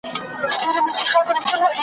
په دا منځ کي چا نیولی یو عسکر وو `